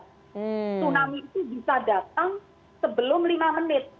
tsunami itu bisa datang sebelum lima menit